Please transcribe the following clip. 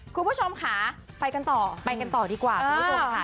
คุณผู้ชมค่ะไปกันต่อไปกันต่อดีกว่าคุณผู้ชมค่ะ